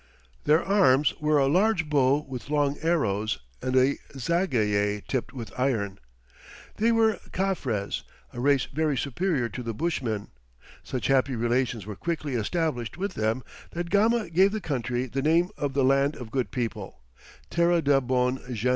Their arms were a large bow with long arrows, and a zagaye tipped with iron. They were Caffres, a race very superior to the Bushmen. Such happy relations were quickly established with them that Gama gave the country the name of the Land of Good People (Terra da bon Gente).